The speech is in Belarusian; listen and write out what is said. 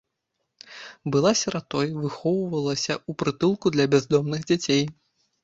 Была сіратой, выхоўвалася ў прытулку для бяздомных дзяцей.